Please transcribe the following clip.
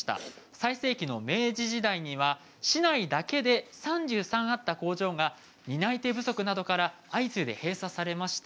最盛期の明治時代には市内だけで３３あった工場が担い手不足から相次いで閉鎖されました。